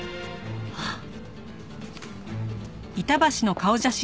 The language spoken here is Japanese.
あっ！